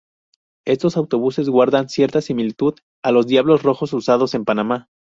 Estos autobuses guardan cierta similitud a los diablos rojos usados en Panamá.